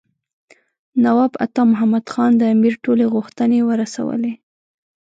نواب عطا محمد خان د امیر ټولې غوښتنې ورسولې.